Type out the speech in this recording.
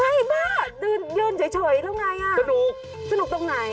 ใช่บ้ายืนเฉยแล้วไงอ่ะสนุกสนุกตรงไหน